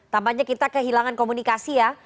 tampaknya kita kehilangan komunikasi ya